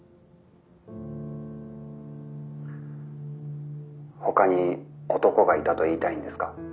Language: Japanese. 「ほかに男がいたと言いたいんですか？